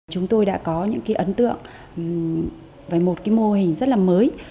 chúng tôi đã có những cái ấn tượng với một cái mô hình rất là mới